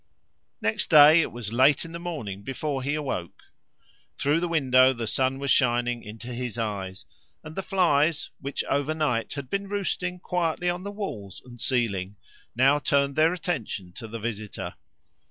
Next day it was late in the morning before he awoke. Through the window the sun was shining into his eyes, and the flies which, overnight, had been roosting quietly on the walls and ceiling now turned their attention to the visitor.